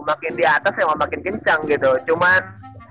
makin diatas emang makin kenceng gitu cuman